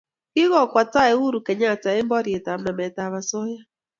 Kikokwa tai uhuru Kenyatta eng borietap nametab osoya